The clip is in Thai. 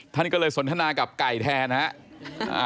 ท่านก็เลยสนทนากับไก่แทนนะครับ